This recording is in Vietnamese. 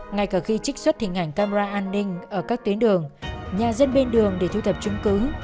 ngay cả khi trích xuất hình ảnh camera an ninh ở các tuyến đường nhà dân bên đường để thu thập chứng cứ